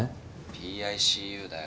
ＰＩＣＵだよ。